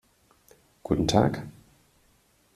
Guten Tag.